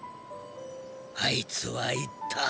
あいつは言った。